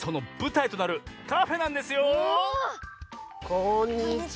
こんにちは！